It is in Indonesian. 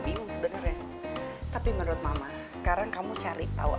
bingung sebenarnya tapi menurut mama sekarang kamu cari tahu